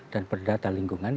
dan perdata lingkungan